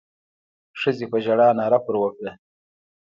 ښځې په ژړا ناره پر وکړه.